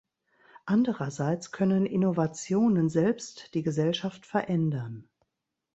Andererseits können Innovationen selbst die Gesellschaft verändern.